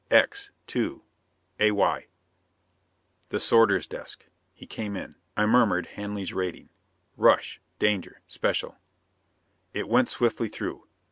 "X. 2. AY." The sorter's desk. He came in. I murmured Hanley's rating. "Rush. Danger. Special." It went swiftly through.